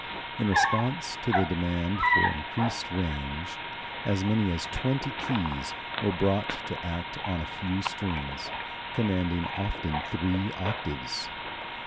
In response to the demand for increased range, as many as twenty keys were brought to act on a few strings, commanding often three octaves.